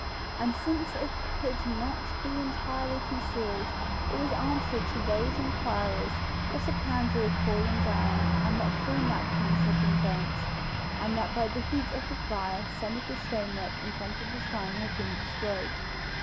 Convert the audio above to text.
And since it could not be entirely concealed, it was answered to these inquirers that a candle had fallen down and that three napkins had been burnt, and that by the heat of the fire some of the stonework in front of the shrine had been destroyed.